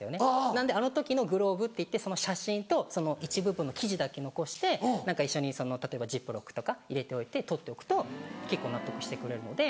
なのであの時のグローブっていってその写真とその一部分の生地だけ残して何か一緒に例えばジップロックとか入れておいて取っておくと結構納得してくれるので。